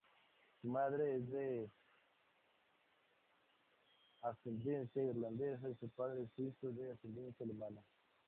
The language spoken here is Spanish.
Su madre es de ascendencia irlandesa y su padre suizo de ascendencia alemana.